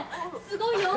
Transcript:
すごいよ！